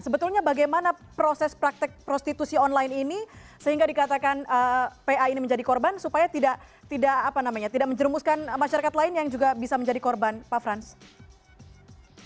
sebetulnya bagaimana proses praktek prostitusi online ini sehingga dikatakan pa ini menjadi korban supaya tidak menjerumuskan masyarakat lain yang juga bisa menjadi korban pak franz